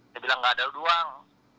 dia bilang tidak ada uang